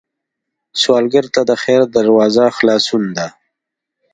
سوالګر ته د خیر دروازه خلاصون ده